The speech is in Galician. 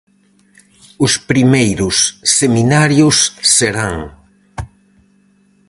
Os primeiros seminarios serán: